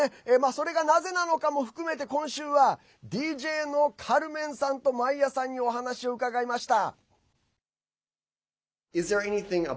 それがなぜなのかも含めて今週はＤＪのカルメンさんとマイヤさんにお話を伺いました。